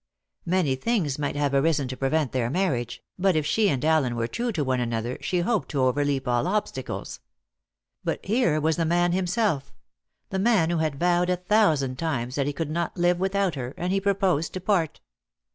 Many things might have arisen to prevent their marriage, but if she and Allen were true to one another, she hoped to overleap all obstacles. But here was the man himself the man who had vowed a thousand times that he could not live without her and he proposed to part.